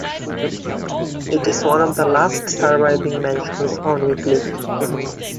It is one of the last surviving mansions on Euclid.